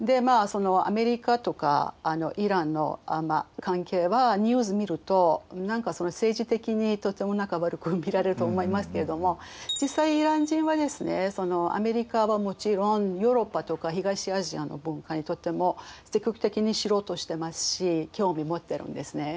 そのアメリカとかイランの関係はニュース見ると何か政治的にとても悪く見られると思いますけれども実際イラン人はですねアメリカはもちろんヨーロッパとか東アジアの文化にとっても積極的に知ろうとしてますし興味持ってるんですね。